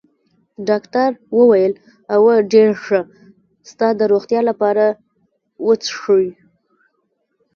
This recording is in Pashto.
ډاکټر وویل: اوه، ډېر ښه، ستا د روغتیا لپاره، و څښئ.